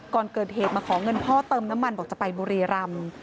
ก่อนเกิดเหตุมาขอเงินพ่อเติมน้ำมันบอกจะไปบุรีรำ